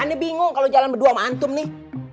ana bingung kalau jalan berdua sama antum nih